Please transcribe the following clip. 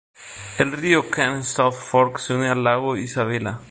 El río Kern South Fork se une al lago Isabella.